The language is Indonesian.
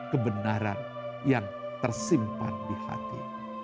kebenaran yang tersimpan di hati